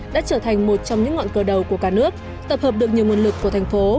đã trở thành một trong những ngọn cờ đầu của cả nước tập hợp được nhiều nguồn lực của thành phố